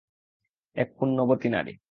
এক পুণ্যবতী নারী।